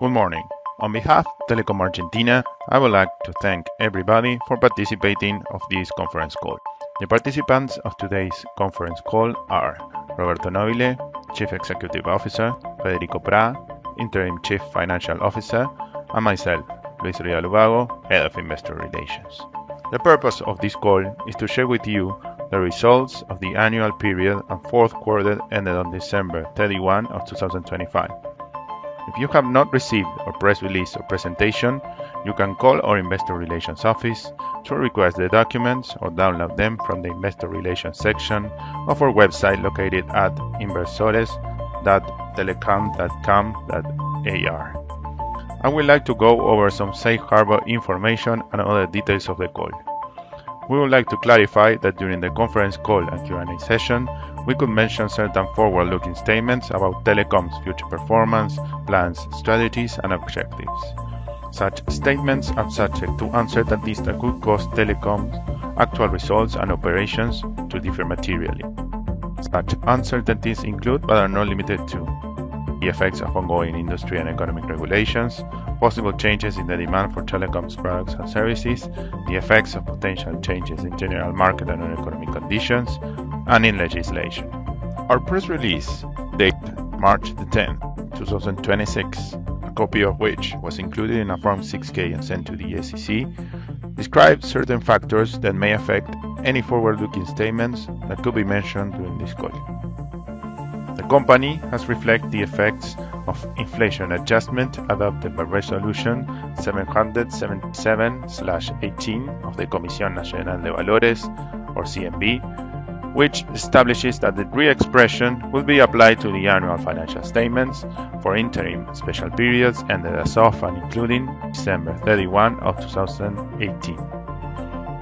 Good morning. On behalf of Telecom Argentina, I would like to thank everybody for participating in this conference call. The participants of today's conference call are Roberto Nóbile, Chief Executive Officer, Federico Pra, Interim Chief Financial Officer, and myself, Luis Rial Ubago, Head of Investor Relations. The purpose of this call is to share with you the results of the annual period and fourth quarter ended on December 31, 2025. If you have not received a press release or presentation, you can call our Investor Relations office to request the documents or download them from the Investor Relations section of our website located at inversores.telecom.com.ar. I would like to go over some safe harbor information and other details of the call. We would like to clarify that during the conference call and Q&A session, we could mention certain forward-looking statements about Telecom's future performance, plans, strategies, and objectives. Such statements are subject to uncertainties that could cause Telecom's actual results and operations to differ materially. Such uncertainties include, but are not limited to, the effects of ongoing industry and economic regulations, possible changes in the demand for Telecom's products and services, the effects of potential changes in general market and economic conditions, and in legislation. Our press release, dated March 10, 2026, a copy of which was included in a Form 6-K and sent to the SEC, describes certain factors that may affect any forward-looking statements that could be mentioned during this call. The company has reflected the effects of inflation adjustment adopted by Resolution 777/18 of the Comisión Nacional de Valores, or CNV, which establishes that the reexpression will be applied to the annual financial statements for interim special periods ended as of and including December 31, 2018.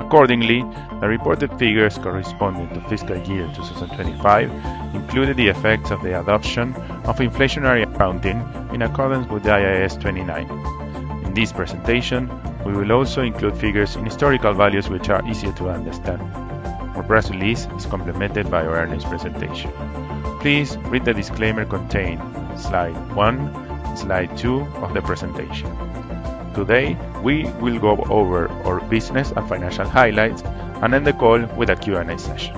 Accordingly, the reported figures corresponding to fiscal year 2025 included the effects of the adoption of inflationary accounting in accordance with the IAS 29. In this presentation, we will also include figures in historical values which are easier to understand. Our press release is complemented by our earnings presentation. Please read the disclaimer contained on slide 1, slide 2 of the presentation. Today, we will go over our business and financial highlights and end the call with a Q&A session.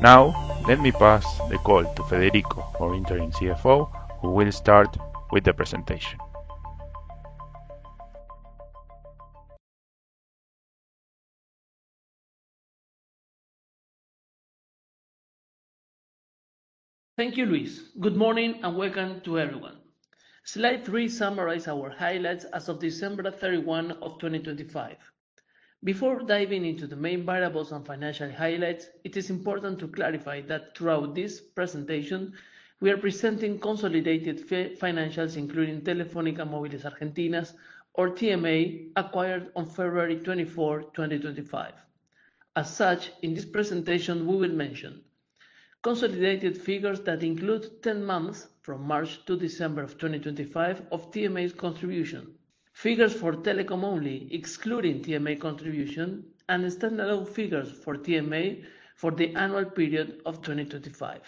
Now, let me pass the call to Federico, our interim CFO, who will start with the presentation. Thank you, Luis. Good morning and welcome to everyone. Slide 3 summarizes our highlights as of December 31, 2025. Before diving into the main variables and financial highlights, it is important to clarify that throughout this presentation, we are presenting consolidated financials including Telefónica Móviles Argentina or TMA, acquired on February 24, 2025. As such, in this presentation, we will mention consolidated figures that include 10 months from March to December of 2025 of TMA's contribution. Figures for Telecom only, excluding TMA contribution, and standalone figures for TMA for the annual period of 2025.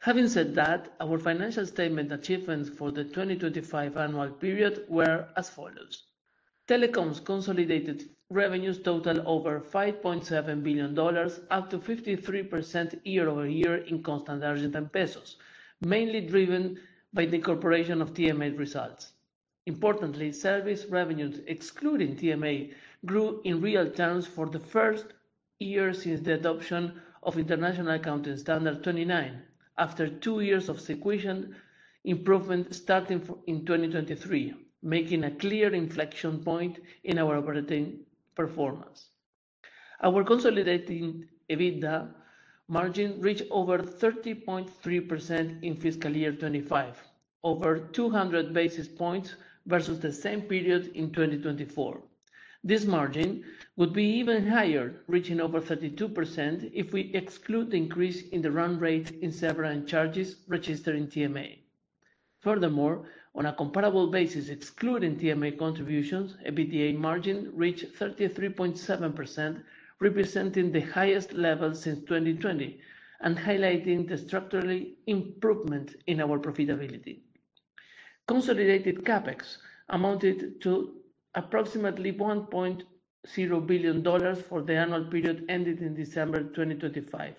Having said that, our financial statement achievements for the 2025 annual period were as follows. Telecom's consolidated revenues totaled over $5.7 billion, up to 53% year-over-year in constant Argentine pesos, mainly driven by the incorporation of TMA results. Importantly, service revenues excluding TMA grew in real terms for the first year since the adoption of International Accounting Standard 29 after 2 years of sequential improvement starting in 2023, making a clear inflection point in our operating performance. Our consolidated EBITDA margin reached over 30.3% in fiscal year 2025, over 200 basis points versus the same period in 2024. This margin would be even higher, reaching over 32% if we exclude the increase in the run rate in severance charges registered in TMA. Furthermore, on a comparable basis excluding TMA contributions, EBITDA margin reached 33.7%, representing the highest level since 2020 and highlighting the structural improvement in our profitability. Consolidated CapEx amounted to approximately $1.0 billion for the annual period ended in December 2025,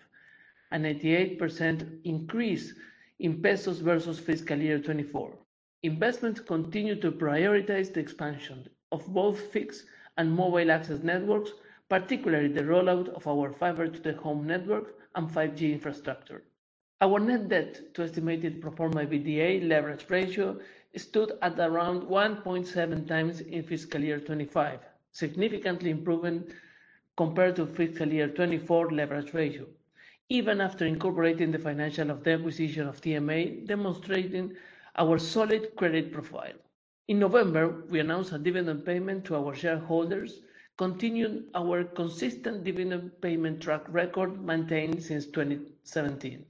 an 88% increase in pesos versus fiscal year 2024. Investments continue to prioritize the expansion of both fixed and mobile access networks, particularly the rollout of our fiber to the home network and 5G infrastructure. Our net debt to estimated pro forma EBITDA leverage ratio stood at around 1.7x in fiscal year 2025, significantly improving compared to fiscal year 2024 leverage ratio, even after incorporating the financing of the acquisition of TMA, demonstrating our solid credit profile. In November, we announced a dividend payment to our shareholders, continuing our consistent dividend payment track record maintained since 2017.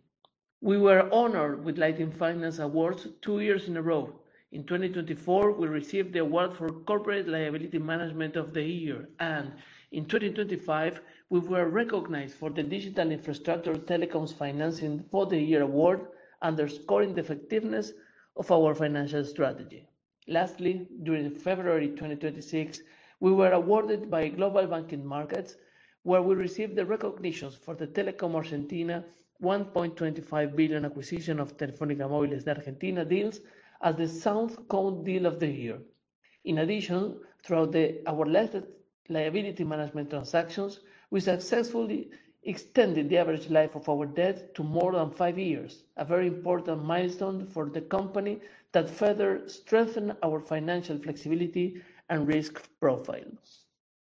We were honored with LatinFinance Awards 2 years in a row. In 2024, we received the award for Corporate Liability Management of the Year, and in 2025 we were recognized for the Digital Infrastructure Telecoms Financing for the Year award, underscoring the effectiveness of our financial strategy. Lastly, during February 2026, we were awarded by Global Banking & Markets, where we received the recognitions for the Telecom Argentina $1.25 billion acquisition of Telefónica Móviles de Argentina deals as the South Cone Deal of the Year. In addition, throughout our latest liability management transactions, we successfully extended the average life of our debt to more than 5 years, a very important milestone for the company that further strengthen our financial flexibility and risk profile.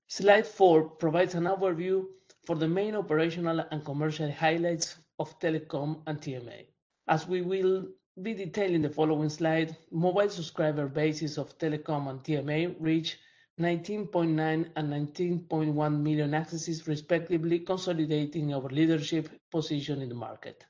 Slide 4 provides an overview for the main operational and commercial highlights of Telecom and TMA. As we will be detailing the following slide, mobile subscriber bases of Telecom and TMA reach 19.9 and 19.1 million accesses respectively, consolidating our leadership position in the market.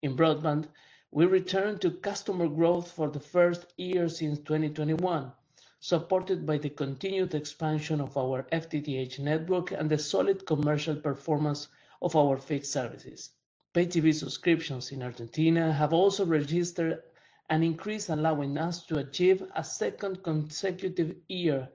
In broadband, we return to customer growth for the first year since 2021, supported by the continued expansion of our FTTH network and the solid commercial performance of our fixed services. Pay TV subscriptions in Argentina have also registered an increase, allowing us to achieve a second consecutive year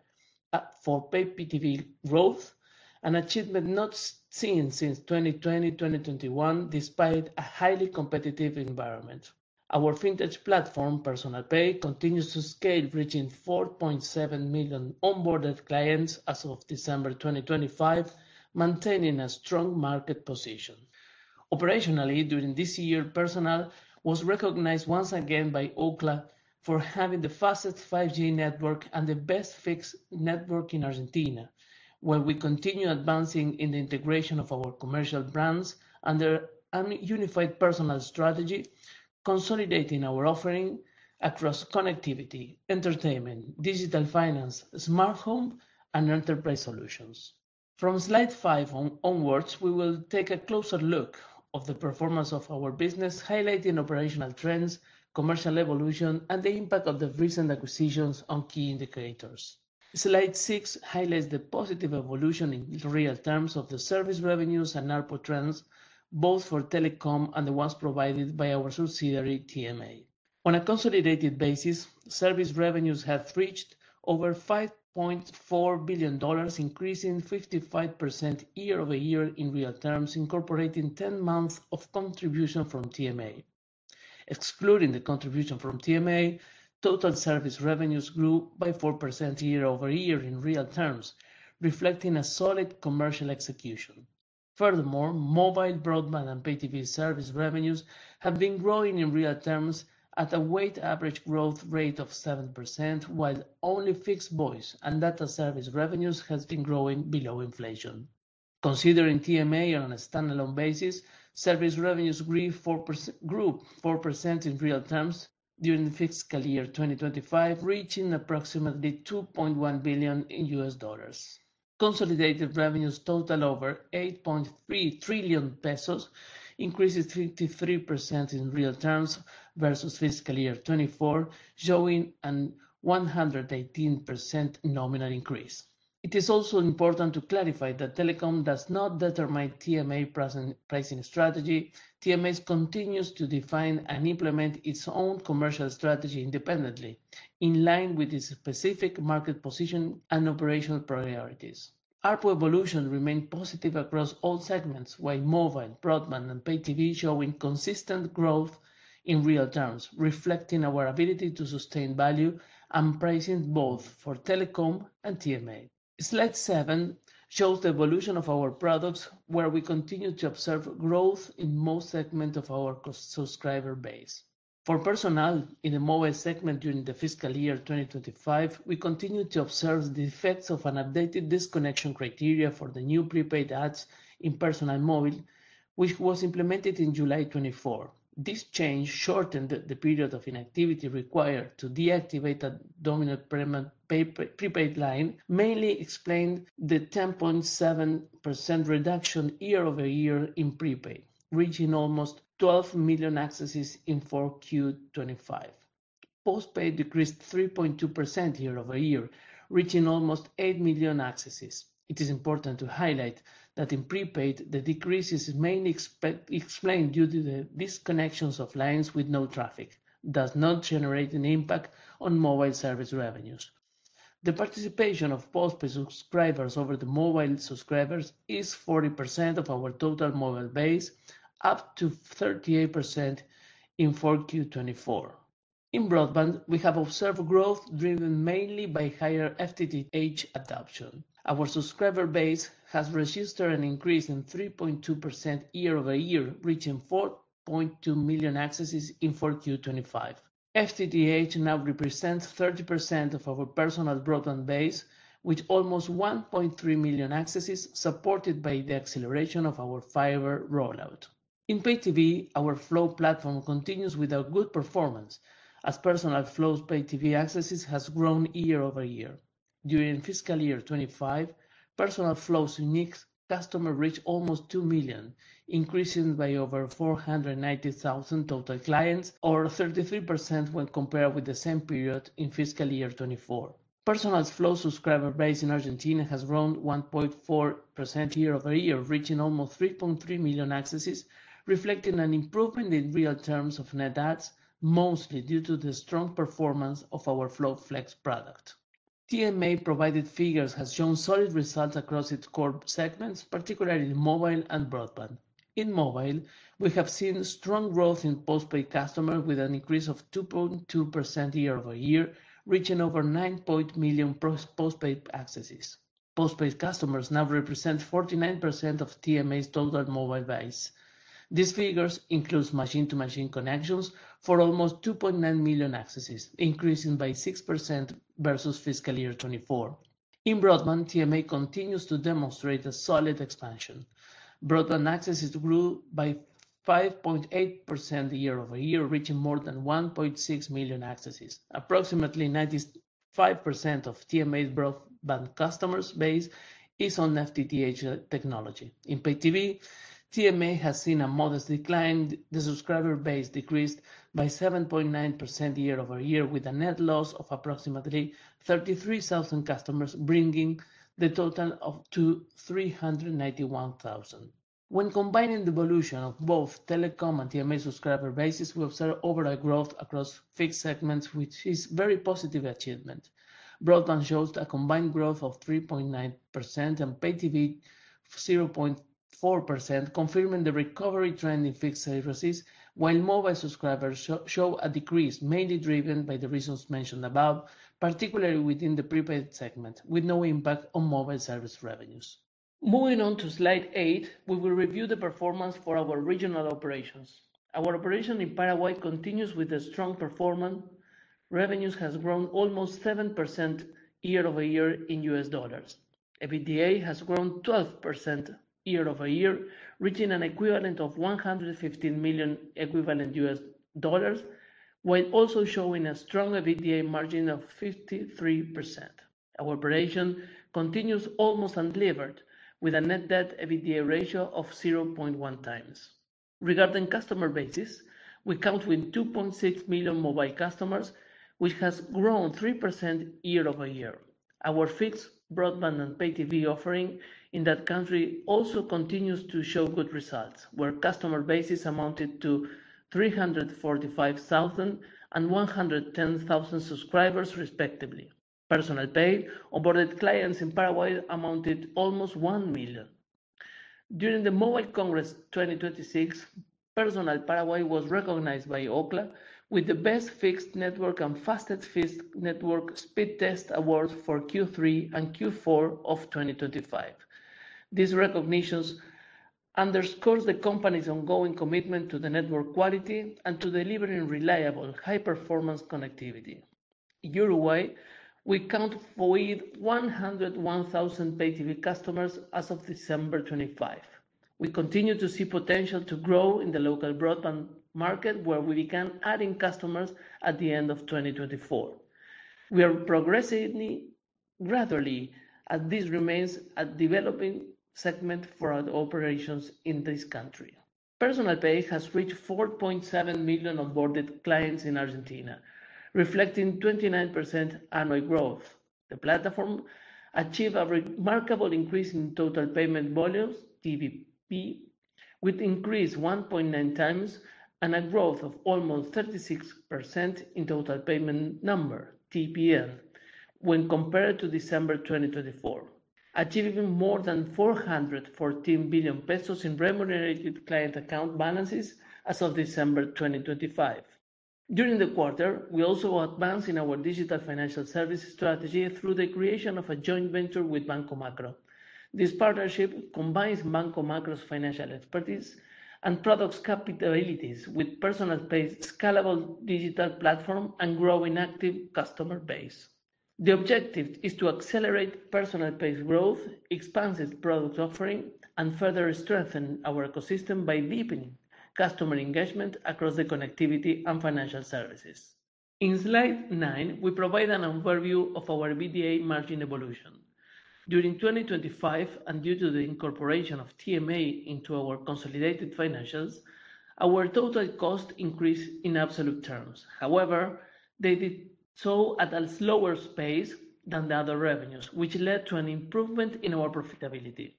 for Pay TV growth, an achievement not seen since 2020, 2021, despite a highly competitive environment. Our fintech platform, Personal Pay, continues to scale, reaching 4.7 million onboarded clients as of December 2025, maintaining a strong market position. Operationally, during this year, Personal was recognized once again by Ookla for having the fastest 5G network and the best fixed network in Argentina, where we continue advancing in the integration of our commercial brands under a unified Personal strategy, consolidating our offering across connectivity, entertainment, digital finance, smart home, and enterprise solutions. From slide 5 onwards, we will take a closer look at the performance of our business, highlighting operational trends, commercial evolution, and the impact of the recent acquisitions on key indicators. Slide 6 highlights the positive evolution in real terms of the service revenues and ARPU trends, both for Telecom and the ones provided by our subsidiary, TMA. On a consolidated basis, service revenues have reached over $5.4 billion, increasing 55% year-over-year in real terms, incorporating 10 months of contribution from TMA. Excluding the contribution from TMA, total service revenues grew by 4% year-over-year in real terms, reflecting a solid commercial execution. Furthermore, mobile, broadband, and Pay TV service revenues have been growing in real terms at a weighted average growth rate of 7%, while only fixed voice and data service revenues has been growing below inflation. Considering TMA on a standalone basis, service revenues grew 4% in real terms during fiscal year 2025, reaching approximately $2.1 billion. Consolidated revenues total over 8.3 trillion pesos, increases 53% in real terms versus fiscal year 2024, showing a 118% nominal increase. It is also important to clarify that Telecom does not determine TMA pricing strategy. TMA continues to define and implement its own commercial strategy independently, in line with its specific market position and operational priorities. ARPU evolution remained positive across all segments, while mobile, broadband, and Pay TV showing consistent growth in real terms, reflecting our ability to sustain value and pricing both for Telecom and TMA. Slide 7 shows the evolution of our products, where we continue to observe growth in most segment of our customer-subscriber base. For Personal, in the mobile segment during the fiscal year 2025, we continue to observe the effects of an updated disconnection criteria for the new prepaid adds in Personal mobile, which was implemented in July 2024. This change shortened the period of inactivity required to deactivate a prepaid line, mainly explaining the 10.7% reduction year-over-year in prepaid, reaching almost 12 million accesses in 4Q2025. Postpaid decreased 3.2% year-over-year, reaching almost 8 million accesses. It is important to highlight that in prepaid, the decrease is mainly explained due to the disconnections of lines with no traffic, does not generate an impact on mobile service revenues. The participation of postpaid subscribers over the mobile subscribers is 40% of our total mobile base, up to 38% in 4Q 2024. In broadband, we have observed growth driven mainly by higher FTTH adoption. Our subscriber base has registered an increase in 3.2% year-over-year, reaching 4.2 million accesses in 4Q2025. FTTH now represents 30% of our Personal broadband base, with almost 1.3 million accesses, supported by the acceleration of our fiber rollout. In Pay TV, our Flow platform continues with a good performance as Personal Flow's Pay TV accesses has grown year-over-year. During fiscal year 2025, Personal Flow's unique customer reached almost 2 million, increasing by over 490,000 total clients or 33% when compared with the same period in fiscal year 2024. Personal Flow subscriber base in Argentina has grown 1.4% year-over-year, reaching almost 3.3 million accesses, reflecting an improvement in real terms of net adds, mostly due to the strong performance of our Flow Flex product. TMA provided figures has shown solid results across its core segments, particularly mobile and broadband. In mobile, we have seen strong growth in post-paid customers with an increase of 2.2% year-over-year, reaching over 9 million post-paid accesses. Post-paid customers now represent 49% of TMA's total mobile base. These figures includes machine-to-machine connections for almost 2.9 million accesses, increasing by 6% versus fiscal year 2024. In broadband, TMA continues to demonstrate a solid expansion. Broadband accesses grew by 5.8% year-over-year, reaching more than 1.6 million accesses. Approximately 95% of TMA's broadband customer base is on FTTH technology. In Pay TV, TMA has seen a modest decline. The subscriber base decreased by 7.9% year-over-year with a net loss of approximately 33,000 customers, bringing the total up to 391,000. When combining the evolution of both Telecom and TMA subscriber bases, we observe overall growth across fixed segments, which is very positive achievement. Broadband shows a combined growth of 3.9% and Pay TV 0.4%, confirming the recovery trend in fixed services, while mobile subscribers show a decrease, mainly driven by the reasons mentioned above, particularly within the prepaid segment, with no impact on mobile service revenues. Moving on to slide 8, we will review the performance for our regional operations. Our operation in Paraguay continues with a strong performance. Revenues has grown almost 7% year-over-year in U.S. dollars. EBITDA has grown 12% year-over-year, reaching an equivalent of $115 million equivalent U.S. dollars, while also showing a strong EBITDA margin of 53%. Our operation continues almost unlevered with a net debt EBITDA ratio of 0.1x. Regarding customer bases, we count with 2.6 million mobile customers, which has grown 3% year-over-year. Our fixed broadband and Pay TV offering in that country also continues to show good results, where customer bases amounted to 345,000 and 110,000 subscribers respectively. Personal Pay onboarded clients in Paraguay amounted almost 1 million. During the Mobile World Congress 2026, Personal Paraguay was recognized by Ookla with the Best Fixed Network and Fastest Fixed Network Speed Test Awards for Q3 and Q4 of 2025. These recognitions underscore the company's ongoing commitment to network quality and to delivering reliable, high-performance connectivity. In Uruguay, we have 101,000 Pay TV customers as of December 2025. We continue to see potential to grow in the local broadband market where we began adding customers at the end of 2024. We are progressing gradually as this remains a developing segment for our operations in this country. Personal Pay has reached 4.7 million onboarded clients in Argentina, reflecting 29% annual growth. The platform achieved a remarkable increase in Total Payment Volume, TPV, with increase 1.9x and a growth of almost 36% in Total Payment Number, TPN, when compared to December 2024, achieving more than 414 billion pesos in remunerated client account balances as of December 2025. During the quarter, we also advanced in our digital financial services strategy through the creation of a joint venture with Banco Macro. This partnership combines Banco Macro's financial expertise and products capabilities with Personal Pay's scalable digital platform and growing active customer base. The objective is to accelerate Personal Pay's growth, expand its product offering, and further strengthen our ecosystem by deepening customer engagement across the connectivity and financial services. In slide 9, we provide an overview of our EBITDA margin evolution. During 2025, due to the incorporation of TMA into our consolidated financials, our total cost increased in absolute terms. However, they did so at a slower pace than the other revenues, which led to an improvement in our profitability.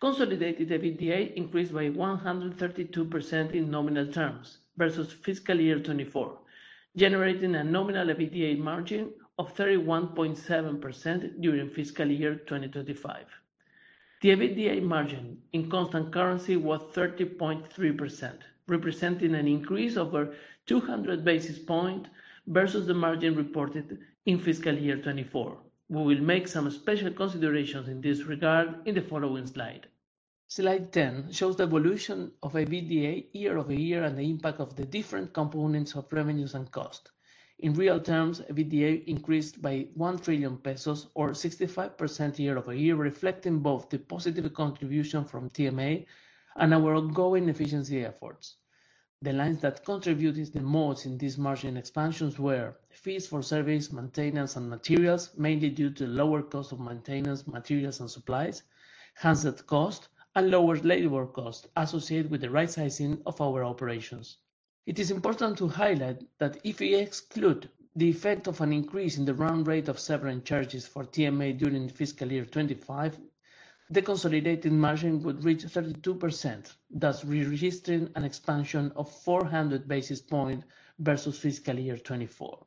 Consolidated EBITDA increased by 132% in nominal terms versus fiscal year 2024, generating a nominal EBITDA margin of 31.7% during fiscal year 2025. The EBITDA margin in constant currency was 30.3%, representing an increase over 200 basis points versus the margin reported in fiscal year 2024. We will make some special considerations in this regard in the following slide. Slide 10 shows the evolution of EBITDA year-over-year and the impact of the different components of revenues and cost. In real terms, EBITDA increased by 1 trillion pesos or 65% year-over-year, reflecting both the positive contribution from TMA and our ongoing efficiency efforts. The lines that contributed the most in this margin expansions were fees for service, maintenance, and materials, mainly due to lower cost of maintenance, materials, and supplies, handset cost, and lower labor cost associated with the right sizing of our operations. It is important to highlight that if we exclude the effect of an increase in the run rate of severance charges for TMA during fiscal year 2025, the consolidated margin would reach 32%, thus re-registering an expansion of 400 basis points versus fiscal year 2024.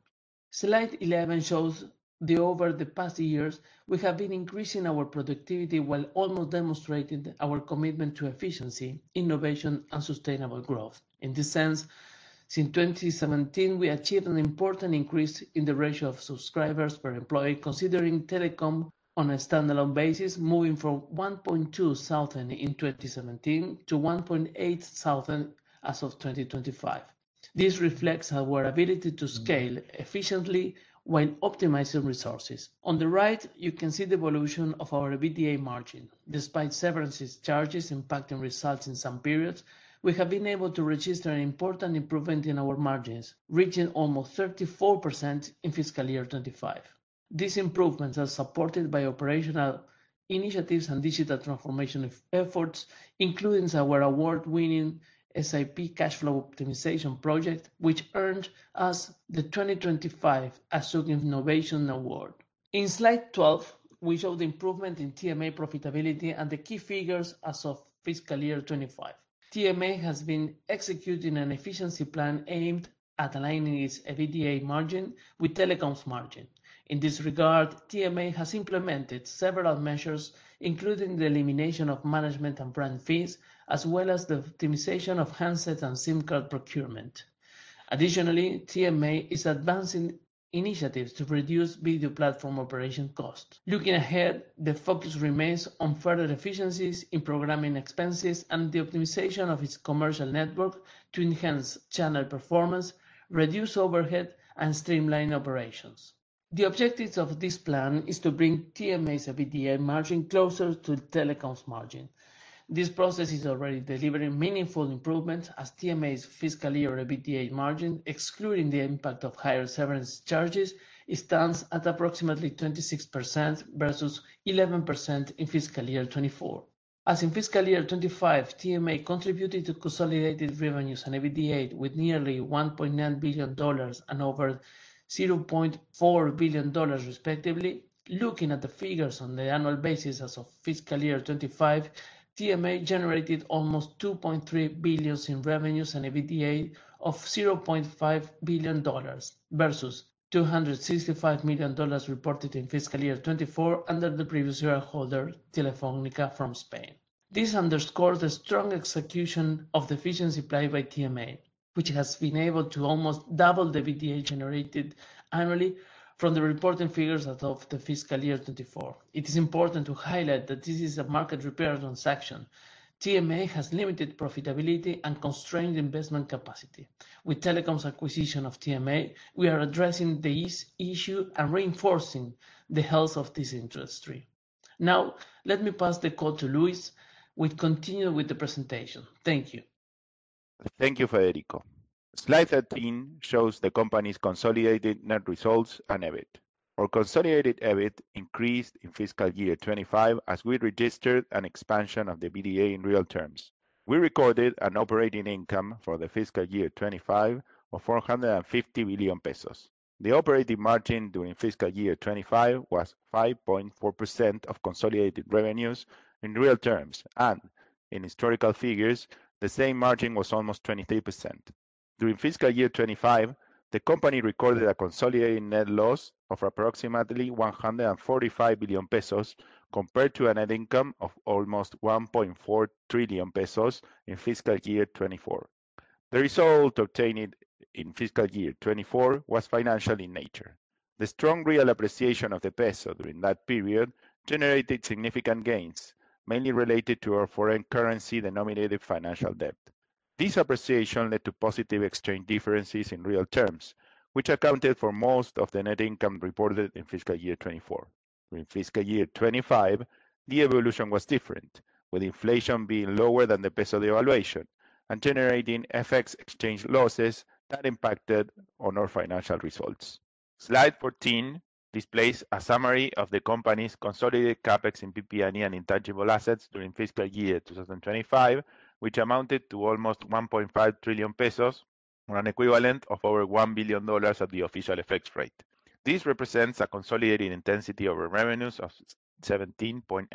Slide 11 shows that over the past years, we have been increasing our productivity while also demonstrating our commitment to efficiency, innovation, and sustainable growth. In this sense, since 2017, we achieved an important increase in the ratio of subscribers per employee, considering Telecom on a standalone basis, moving from 1,200 in 2017 to 1,800 as of 2025. This reflects our ability to scale efficiently while optimizing resources. On the right, you can see the evolution of our EBITDA margin. Despite severance charges impacting results in some periods, we have been able to register an important improvement in our margins, reaching almost 34% in fiscal year 2025. These improvements are supported by operational initiatives and digital transformation efforts, including our award-winning SAP cash flow optimization project, which earned us the 2025 SAP Innovation Award. In slide 12, we show the improvement in TMA profitability and the key figures as of fiscal year 2025. TMA has been executing an efficiency plan aimed at aligning its EBITDA margin with Telecom's margin. In this regard, TMA has implemented several measures, including the elimination of management and brand fees, as well as the optimization of handsets and SIM card procurement. Additionally, TMA is advancing initiatives to reduce video platform operation costs. Looking ahead, the focus remains on further efficiencies in programming expenses and the optimization of its commercial network to enhance channel performance, reduce overhead, and streamline operations. The objective of this plan is to bring TMA's EBITDA margin closer to Telecom's margin. This process is already delivering meaningful improvements as TMA's fiscal year EBITDA margin, excluding the impact of higher severance charges, stands at approximately 26% versus 11% in fiscal year 2024. In fiscal year 2025, TMA contributed to consolidated revenues and EBITDA with nearly $1.9 billion and over $0.4 billion respectively. Looking at the figures on the annual basis as of fiscal year 2025, TMA generated almost $2.3 billion in revenues and EBITDA of $0.5 billion versus $265 million reported in fiscal year 2024 under the previous shareholder, Telefónica from Spain. This underscores the strong execution of the efficiency play by TMA, which has been able to almost double the EBITDA generated annually from the reporting figures as of fiscal year 2024. It is important to highlight that this is a market repair transaction. TMA has limited profitability and constrained investment capacity. With Telecom's acquisition of TMA, we are addressing this issue and reinforcing the health of this industry. Now, let me pass the call to Luis. We continue with the presentation. Thank you. Thank you, Federico. Slide 13 shows the company's consolidated net results and EBIT. Our consolidated EBIT increased in fiscal year 2025 as we registered an expansion of the EBITDA in real terms. We recorded an operating income for the fiscal year 2025 of 450 million pesos. The operating margin during fiscal year 2025 was 5.4% of consolidated revenues in real terms, and in historical figures, the same margin was almost 23%. During fiscal year 2025, the company recorded a consolidated net loss of approximately 145 million pesos compared to a net income of almost 1.4 trillion pesos in fiscal year 2024. The result obtained in fiscal year 2024 was financial in nature. The strong real appreciation of the peso during that period generated significant gains, mainly related to our foreign currency denominated financial debt. This appreciation led to positive exchange differences in real terms, which accounted for most of the net income reported in fiscal year 2024. During fiscal year 2025, the evolution was different, with inflation being lower than the peso devaluation and generating FX exchange losses that impacted on our financial results. Slide 14 displays a summary of the company's consolidated CapEx in PP&E and intangible assets during fiscal year 2025, which amounted to almost 1.5 trillion pesos on an equivalent of over $1 billion at the official FX rate. This represents a consolidated intensity over revenues of 17.8%.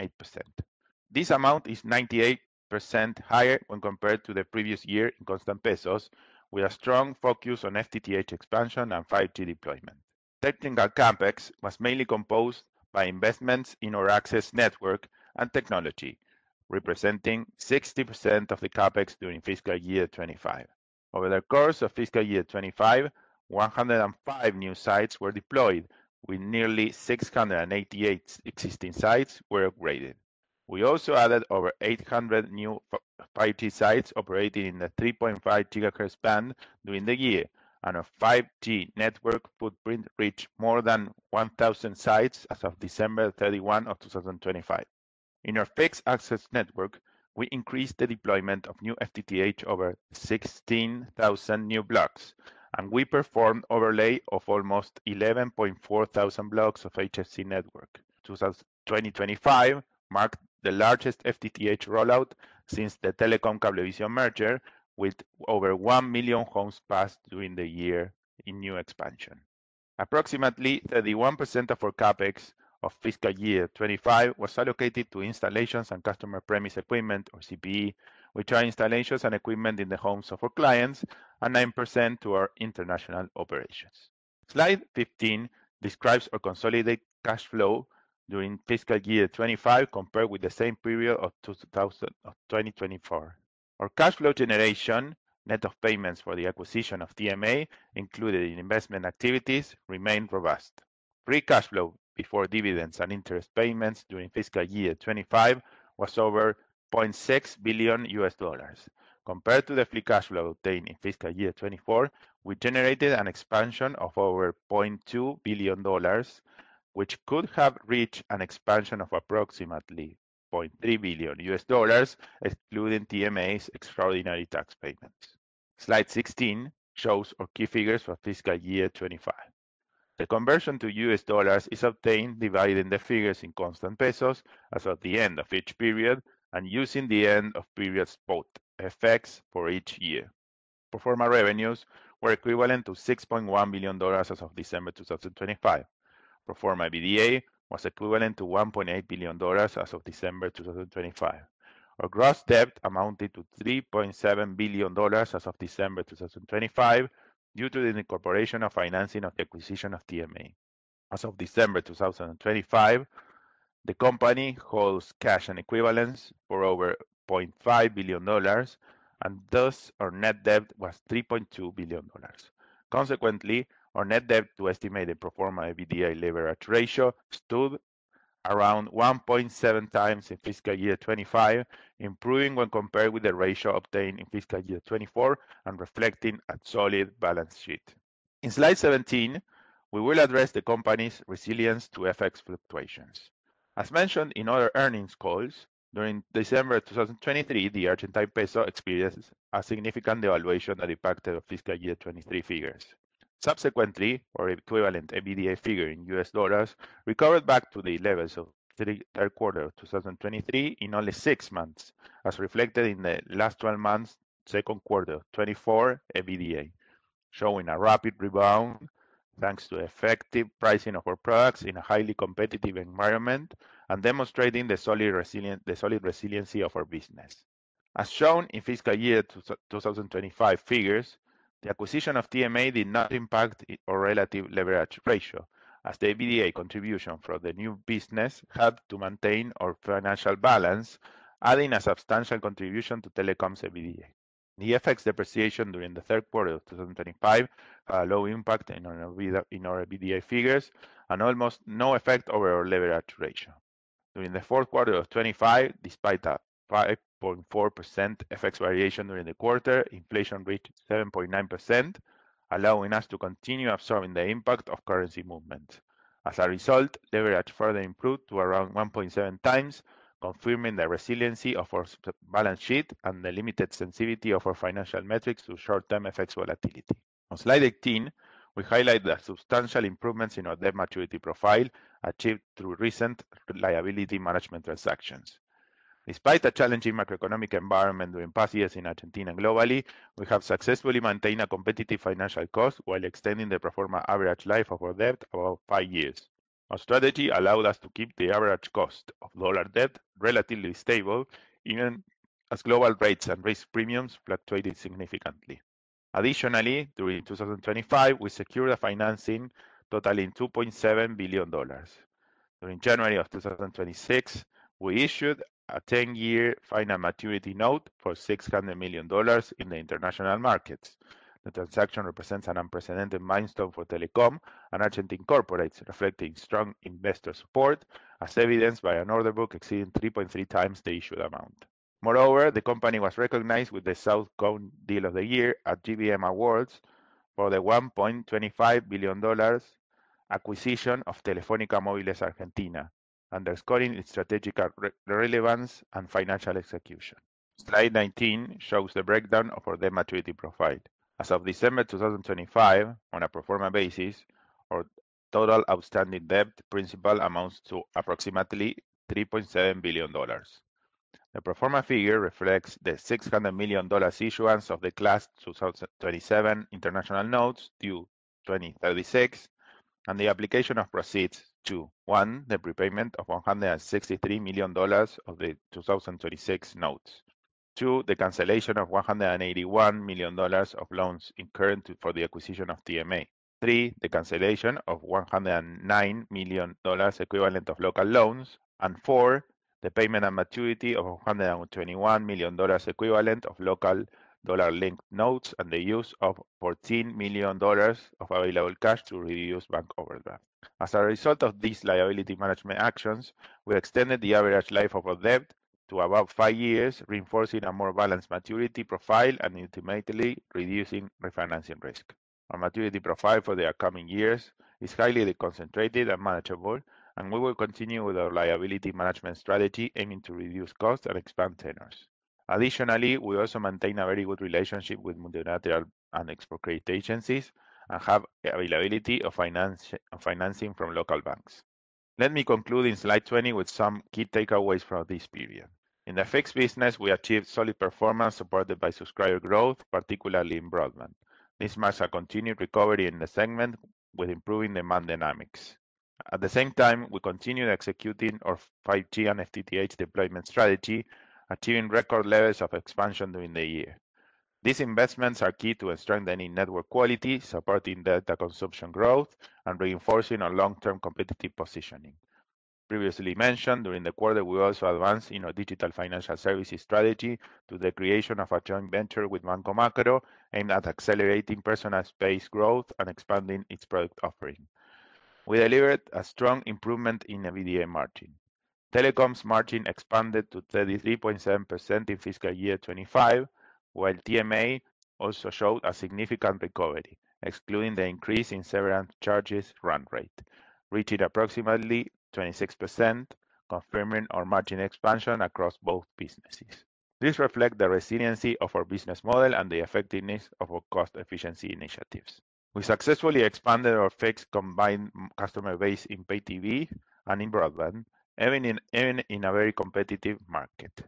This amount is 98% higher when compared to the previous year in constant pesos, with a strong focus on FTTH expansion and 5G deployment. Technical CapEx was mainly composed by investments in our access network and technology, representing 60% of the CapEx during fiscal year 2025. Over the course of fiscal year 2025, 105 new sites were deployed, and nearly 688 existing sites were upgraded. We also added over 800 new 5G sites operating in the 3.5 GHz band during the year, and our 5G network footprint reached more than 1,000 sites as of December 31, 2025. In our fixed access network, we increased the deployment of new FTTH over 16,000 new blocks, and we performed overlay of almost 11,400 blocks of HFC network. 2025 marked the largest FTTH rollout since the Telecom-Cablevisión merger with over 1 million homes passed during the year in new expansion. Approximately 31% of our CapEx of fiscal year 2025 was allocated to installations and customer premise equipment or CPE. 90% to installations and equipment in the homes of our clients and 9% to our international operations. Slide 15 describes our consolidated cash flow during fiscal year 2025 compared with the same period of 2024. Our cash flow generation, net of payments for the acquisition of TMA included in investment activities remained robust. Free cash flow before dividends and interest payments during fiscal year 2025 was over $0.6 billion. Compared to the free cash flow obtained in fiscal year 2024, we generated an expansion of over $0.2 billion, which could have reached an expansion of approximately $0.3 billion, excluding TMA's extraordinary tax payments. Slide 16 shows our key figures for fiscal year 2025. The conversion to U.S. dollars is obtained by dividing the figures in constant pesos as of the end of each period and using the end-of-period exchange rates for each year. Pro forma revenues were equivalent to $6.1 billion as of December 2025. Pro forma EBITDA was equivalent to $1.8 billion as of December 2025. Our gross debt amounted to $3.7 billion as of December 2025 due to the incorporation of financing of the acquisition of TMA. As of December 2025, the company holds cash and equivalents for over $0.5 billion, and thus our net debt was $3.2 billion. Consequently, our net debt to estimated pro forma EBITDA leverage ratio stood around 1.7x in fiscal year 2025, improving when compared with the ratio obtained in fiscal year 2024 and reflecting a solid balance sheet. In slide 17, we will address the company's resilience to FX fluctuations. As mentioned in other earnings calls, during December 2023, the Argentine peso experienced a significant devaluation that impacted our fiscal year 2023 figures. Subsequently, our equivalent EBITDA figure in U.S. dollars recovered back to the levels of third quarter 2023 in only six months, as reflected in the last 12 months second quarter 2024 EBITDA, showing a rapid rebound thanks to effective pricing of our products in a highly competitive environment and demonstrating the solid resiliency of our business. As shown in fiscal year 2025 figures, the acquisition of TMA did not impact our relative leverage ratio as the EBITDA contribution for the new business helped to maintain our financial balance, adding a substantial contribution to Telecom's EBITDA. The FX depreciation during the third quarter of 2025 had low impact in our EBITDA figures and almost no effect over our leverage ratio. During the fourth quarter of 2025, despite a 5.4% FX variation during the quarter, inflation reached 7.9%, allowing us to continue absorbing the impact of currency movement. As a result, leverage further improved to around 1.7x, confirming the resiliency of our balance sheet and the limited sensitivity of our financial metrics to short-term FX volatility. On slide 18, we highlight the substantial improvements in our debt maturity profile achieved through recent liability management transactions. Despite a challenging macroeconomic environment during past years in Argentina and globally, we have successfully maintained a competitive financial cost while extending the pro forma average life of our debt for five years. Our strategy allowed us to keep the average cost of dollar debt relatively stable, even as global rates and risk premiums fluctuated significantly. Additionally, during 2025, we secured a financing totaling $2.7 billion. During January of 2026, we issued a 10-year final maturity note for $600 million in the international markets. The transaction represents an unprecedented milestone for Telecom and Argentine corporates, reflecting strong investor support, as evidenced by an order book exceeding 3.3x the issued amount. Moreover, the company was recognized with the Southern Cone Deal of the Year at GBM Awards for the $1.25 billion acquisition of Telefónica Móviles Argentina, underscoring its strategic relevance and financial execution. Slide 19 shows the breakdown of our debt maturity profile. As of December 2025, on a pro forma basis our total outstanding debt principal amounts to approximately $3.7 billion. The pro forma figure reflects the $600 million issuance of the class 2027 international notes due 2036, and the application of proceeds to one, the prepayment of $163 million of the 2036 notes. Two, the cancellation of $181 million of loans incurred for the acquisition of TMA. Three, the cancellation of $109 million equivalent of local loans. Four, the payment and maturity of $121 million equivalent of local dollar-linked notes and the use of $14 million of available cash to reduce bank overdraft. As a result of these liability management actions, we extended the average life of our debt to about 5 years, reinforcing a more balanced maturity profile and ultimately reducing refinancing risk. Our maturity profile for the upcoming years is highly deconcentrated and manageable, and we will continue with our liability management strategy aiming to reduce costs and expand tenors. Additionally, we also maintain a very good relationship with multilateral and export credit agencies and have availability of financing from local banks. Let me conclude in slide 20 with some key takeaways from this period. In the FX business, we achieved solid performance supported by subscriber growth, particularly in broadband. This marks a continued recovery in the segment with improving demand dynamics. At the same time, we continued executing our 5G and FTTH deployment strategy, achieving record levels of expansion during the year. These investments are key to strengthening network quality, supporting data consumption growth, and reinforcing our long-term competitive positioning. Previously mentioned, during the quarter, we also advanced in our digital financial services strategy through the creation of a joint venture with Banco Macro, aimed at accelerating Personal Pay growth and expanding its product offering. We delivered a strong improvement in EBITDA margin. Telecom's margin expanded to 33.7% in fiscal year 2025 while TMA also showed a significant recovery, excluding the increase in severance charges run rate, reaching approximately 26%, confirming our margin expansion across both businesses. This reflect the resiliency of our business model and the effectiveness of our cost efficiency initiatives. We successfully expanded our fixed combined customer base in Pay TV and in broadband even in a very competitive market.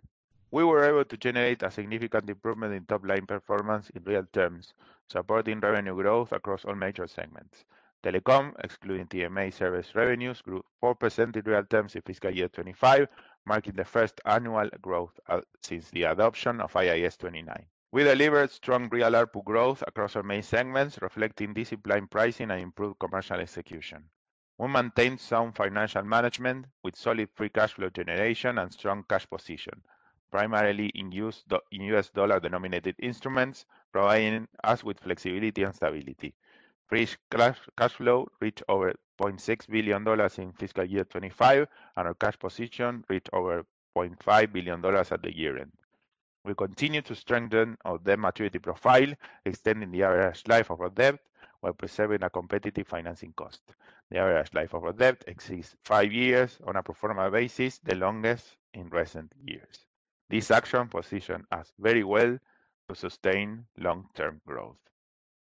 We were able to generate a significant improvement in top-line performance in real terms, supporting revenue growth across all major segments. Telecom, excluding TMA service revenues grew 4% in real terms in fiscal year 2025, marking the first annual growth since the adoption of IAS 29. We delivered strong real ARPU growth across our main segments, reflecting disciplined pricing and improved commercial execution. We maintained sound financial management with solid free cash flow generation and strong cash position, primarily in U.S. dollar-denominated instruments, providing us with flexibility and stability. Free cash flow reached over $0.6 billion in fiscal year 2025 and our cash position reached over $0.5 billion at the year end. We continue to strengthen our debt maturity profile, extending the average life of our debt while preserving a competitive financing cost. The average life of our debt exceeds 5 years on a pro forma basis, the longest in recent years. This action position us very well to sustain long-term growth.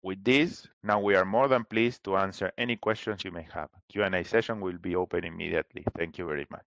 With this, now we are more than pleased to answer any questions you may have. Q&A session will be open immediately. Thank you very much.